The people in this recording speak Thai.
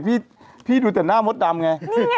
พี่ดูแต่หน้ามดดำไง